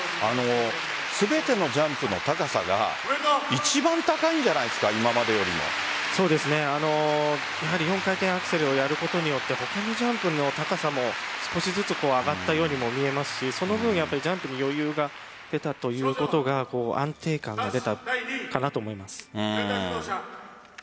全てのジャンプの高さが一番高いんじゃないですかやはり４回転アクセルをやることで他のジャンプの高さも少しずつ上がったように見えましたしその分ジャンプに余裕が出たということが安定感が出たかなと思います。